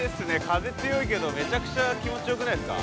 風強いけどめちゃくちゃ気持ちよくないですか。